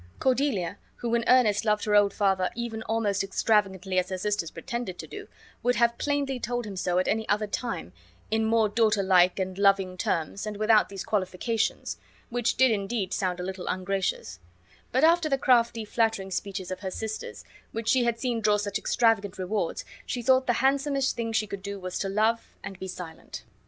Cordelia, who in earnest loved her old father even almost extravagantly as her sisters pretended to do, would have plainly told him so at any other time, in more daughter like and loving terms, and without these qualifications, which did indeed sound a little ungracious; but after the crafty, flattering speeches of her sisters, which she had seen draw such extravagant rewards, she thought the handsomest thing she could do was to love and be silent.